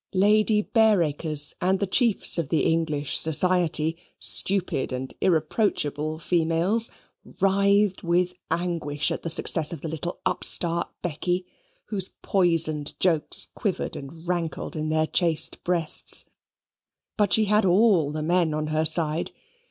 Lady Bareacres and the chiefs of the English society, stupid and irreproachable females, writhed with anguish at the success of the little upstart Becky, whose poisoned jokes quivered and rankled in their chaste breasts. But she had all the men on her side.